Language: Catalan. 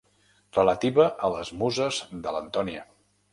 Relativa a les muses de l'Antònia.